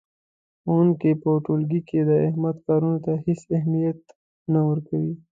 ښوونکی په ټولګي کې د احمد کارونو ته هېڅ اهمیت نه ورکوي.